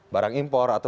barang impor atau